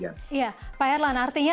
saya pun kayalah melihatnya